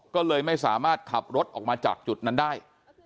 ก็เลยไม่สามารถขับรถออกมาจากจุดนั้นได้